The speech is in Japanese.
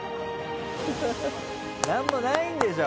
何もないんでしょ！